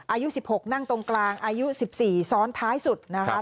อายุ๑๖นั่งตรงกลางอายุ๑๔ซ้อนท้ายสุดนะคะ